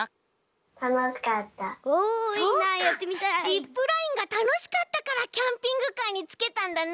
ジップラインがたのしかったからキャンピングカーにつけたんだね。